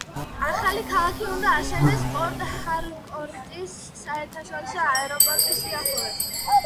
ახალი ქალაქი უნდა აშენდეს პორტ-ჰარკორტის საერთაშორისო აეროპორტის სიახლოვეს.